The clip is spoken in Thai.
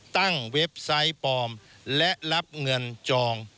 เว็บไซต์ปลอมและรับเงินจอง